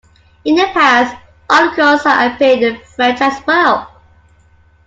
In the past, articles have appeared in French as well.